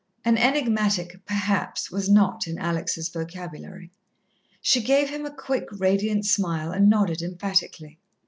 An enigmatic "perhaps" was not in Alex' vocabulary. She gave him a quick, radiant smile, and nodded emphatically.